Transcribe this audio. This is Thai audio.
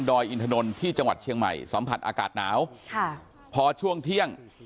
อินถนนที่จังหวัดเชียงใหม่สัมผัสอากาศหนาวค่ะพอช่วงเที่ยง